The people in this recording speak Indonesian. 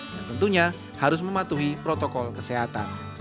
yang tentunya harus mematuhi protokol kesehatan